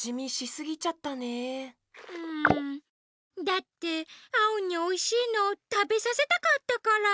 だってアオにおいしいのたべさせたかったから。